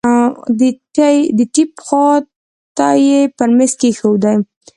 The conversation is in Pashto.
د ټېپ خوا ته يې پر ميز کښېښود.